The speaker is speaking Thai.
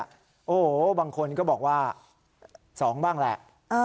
โอ้โหบางคนก็บอกว่า๒บ้างแหละ